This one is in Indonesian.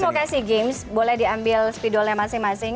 mau kasih games boleh diambil spidolnya masing masing